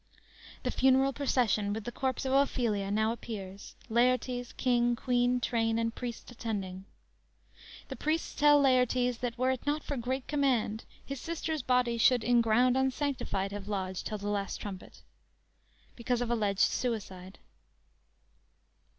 "_ The funeral procession with the corpse of Ophelia now appears, Laertes, King, Queen, train, and priests attending. The priests tell Laertes that were it not for "great command" his sister's body "should in ground unsanctified have lodged till the last trumpet," because of alleged suicide.